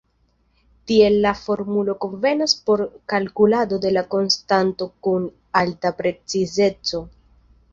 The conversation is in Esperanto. Tiel la formulo konvenas por kalkulado de la konstanto kun alta precizeco.